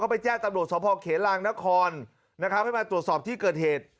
ไปแจ้งตำรวจสภเขลางนครนะครับให้มาตรวจสอบที่เกิดเหตุ